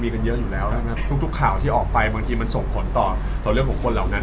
มันก็มีนะครับทุกข่าวที่ออกบางทีส่งผลต่อของคนเหมือนกัน